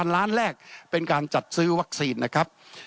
ล้านแรกเป็นการจัดซื้อวัคซีนนะครับ